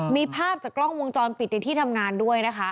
มีภาพจากกล้องวงจรปิดในที่ทำงานด้วยนะคะ